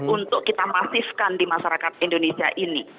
untuk kita masifkan di masyarakat indonesia ini